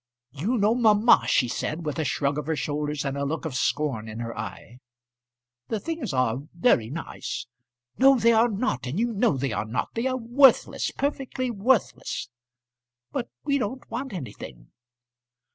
"You know mamma," she said, with a shrug of her shoulders and a look of scorn in her eye. "The things are very nice." "No, they are not, and you know they are not. They are worthless; perfectly worthless." "But we don't want anything."